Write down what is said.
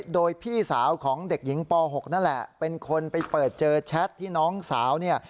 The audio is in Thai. โดยพี่สาวของเด็กหญิงป๖นั่นแหละเป็นคนไปเปิดเจอแชทที่น้องสาวเนี่ย